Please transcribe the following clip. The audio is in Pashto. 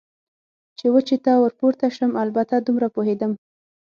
چې وچې ته ور پورته شم، البته دومره پوهېدم.